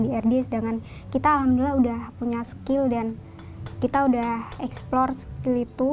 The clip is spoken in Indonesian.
sedangkan kita alhamdulillah udah punya skill dan kita udah explore skill itu